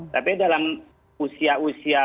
tapi dalam usia usia